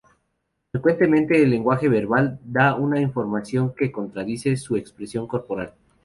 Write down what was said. Frecuentemente, el lenguaje verbal da una información que contradice su expresión corporal.